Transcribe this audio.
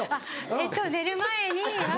えっと寝る前に。